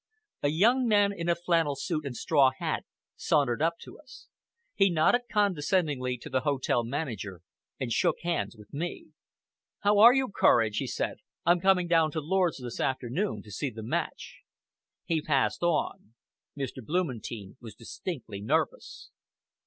A young man in a flannel suit and straw hat sauntered up to us. He nodded condescendingly to the hotel manager, and shook hands with me. "How are you, Courage?" he said. "I'm coming down to Lord's this afternoon to see the match." He passed on. Mr. Blumentein was distinctly nervous.